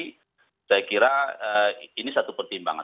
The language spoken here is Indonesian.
jadi saya kira ini satu pertimbangan